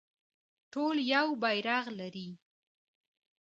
ټول یو بیرغ لري